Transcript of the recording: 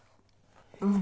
うん。